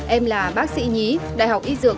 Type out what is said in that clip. em là bác sĩ nhí đại học y dược